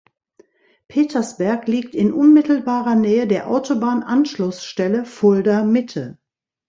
Petersberg liegt in unmittelbarer Nähe der Autobahn-Anschlussstelle Fulda-Mitte.